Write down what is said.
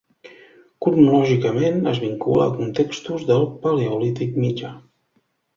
Cronològicament es vincula a contextos del Paleolític mitjà.